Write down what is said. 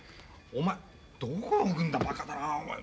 お前どこ置くんだバカだな。